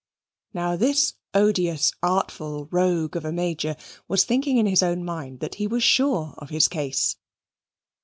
Now this odious, artful rogue of a Major was thinking in his own mind that he was sure of his case.